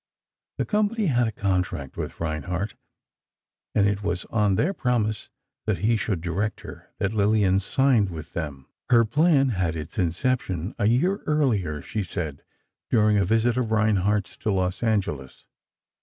The company had a contract with Reinhardt, and it was on their promise that he should direct her, that Lillian signed with them. Her plan had had its inception a year earlier, she said, during a visit of Reinhardt's to Los Angeles.